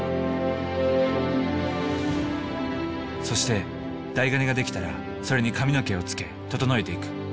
そして台金が出来たらそれに髪の毛をつけ整えていく。